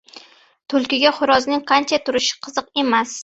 • Tulkiga xo‘rozning qancha turishi qiziq emas.